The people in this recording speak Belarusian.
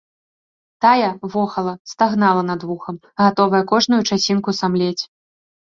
Тая вохала, стагнала над вухам, гатовая кожную часінку самлець.